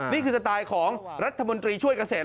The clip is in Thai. สไตล์ของรัฐมนตรีช่วยเกษตร